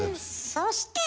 そして！